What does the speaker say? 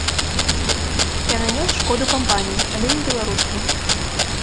Я нанёс шкоду кампаніі, але не беларускай.